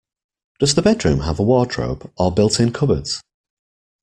Does the bedroom have a wardrobe, or built-in cupboards?